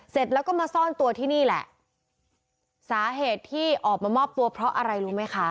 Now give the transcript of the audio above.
เสร็จแล้วก็มาซ่อนตัวที่นี่แหละสาเหตุที่ออกมามอบตัวเพราะอะไรรู้ไหมคะ